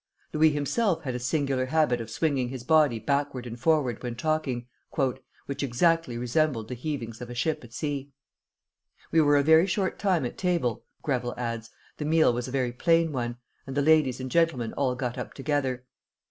Louis himself had a singular habit of swinging his body backward and forward when talking, "which exactly resembled the heavings of a ship at sea." "We were a very short time at table," Greville adds; "the meal was a very plain one, and the ladies and gentlemen all got up together.